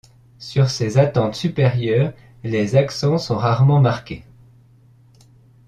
Sur ces attentes supérieures, les accents sont rarement marqués.